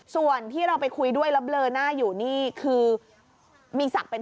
ส่วนที่เราไปคุยด้วยแล้วเบลอหน้าอยู่นี่คือมีศักดิ์เป็น